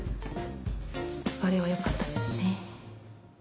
あれはよかったですね。